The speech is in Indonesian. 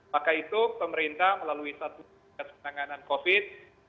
maka itu pemerintah melalui satu penanganan covid